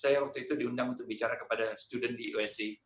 saya waktu itu diundang untuk bicara kepada student di usc